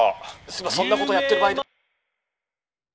「今そんなことやってる場合では」。